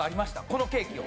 このケーキを。